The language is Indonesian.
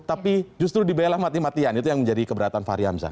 tapi justru dibela mati matian itu yang menjadi keberatan fahri hamzah